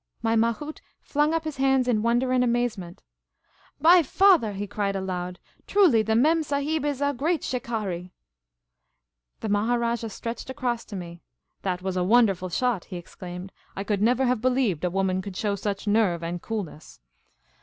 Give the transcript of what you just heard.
My mahout flung up his hands in wonder and amazement. " My father !" he cried aloud. " Truly, the Mem Sahib is a great shikari !" The Maharajah stretched across to me. " That was a wonderful shot !" he exclaimed. " I could never have be lieved a woman could show such nerve and coolness."